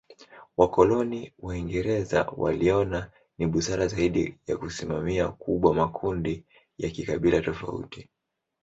Wakoloni Waingereza waliona ni busara zaidi ya kusimamia kubwa makundi ya kikabila tofauti.